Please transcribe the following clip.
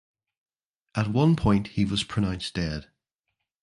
At one point he was pronounced dead.